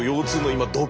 今。